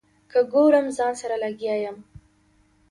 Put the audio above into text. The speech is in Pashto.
که ګورم ځان سره لګیا یم.